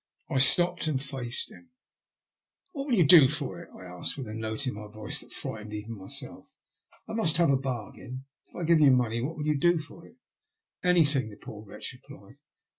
'' I stopped and faced him. What will you do for it ?" I asked, with a note in my voice that frightened even myself. "I must have a bargain. If I give you money, what will you do for it ?" "Anything," the poor wretch replied.